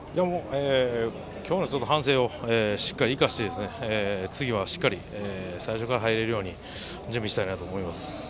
今日の反省をしっかり生かして次はしっかり最初から入れるように準備したいなと思います。